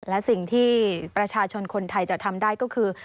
และสิ่งที่ประชาชนคนไทยจะทำได้ก็คือ